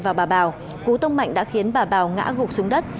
nhưng khi đưa bà trần thị bào vào cú tông mạnh đã khiến bà bào ngã gục xuống đất